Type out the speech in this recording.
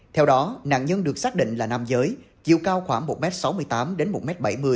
theo đó nạn nhân được xác định là nam giới chiều cao khoảng một m sáu mươi tám đến một m bảy mươi